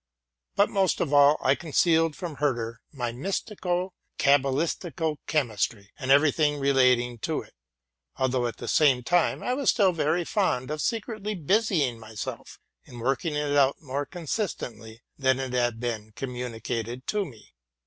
3ut, most of all, I concealed from Herder my mystico cabalistical chem istry, and every thing relating to it; although, at the same time, I was still very fond of secretly busying myself in working it out more consistently than it had been communi cated tome.